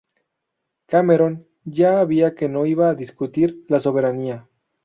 Cameron ya había que no iba a discutir la soberanía.